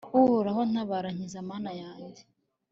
uhoraho, tabara! nkiza, mana yanjye